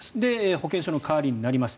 保険証の代わりになります。